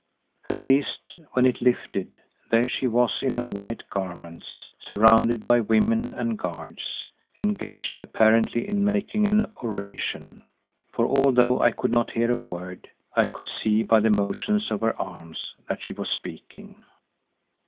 At least, when it lifted, there she was in her white garments, surrounded by women and guards, engaged apparently in making an oration, for although I could not hear a word, I could see by the motions of her arms that she was speaking.